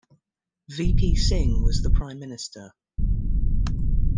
V. P. Singh was the Prime Minister.